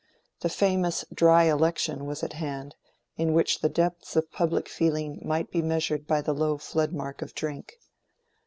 The famous "dry election" was at hand, in which the depths of public feeling might be measured by the low flood mark of drink.